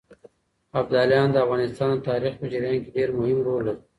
ابداليان د افغانستان د تاريخ په جريان کې ډېر مهم رول لري.